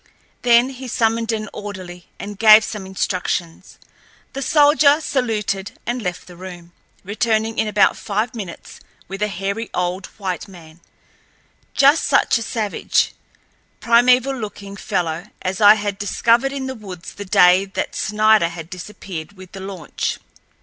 Then he summoned an orderly, and gave some instructions. The soldier saluted, and left the room, returning in about five minutes with a hairy old white man—just such a savage, primeval looking fellow as I had discovered in the woods the day that Snider had disappeared with the launch.